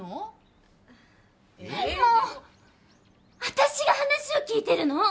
私が話を聞いてるの！